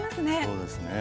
そうですね。